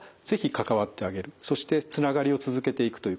そしてつながりを続けていくということですね。